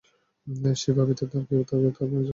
সিবা ব্যতীত আর কেউ তাঁর নজরে পড়েনি।